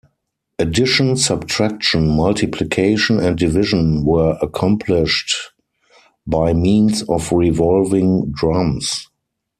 Addition, subtraction, multiplication, and division were accomplished by means of revolving drums.